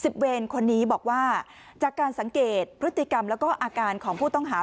เวรคนนี้บอกว่าจากการสังเกตพฤติกรรมแล้วก็อาการของผู้ต้องหา